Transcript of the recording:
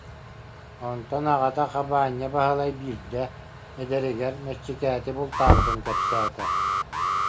Онтон аҕата Хабаанньа Баһылай биирдэ, эдэригэр, мэччикээти бултаабытын кэпсээтэ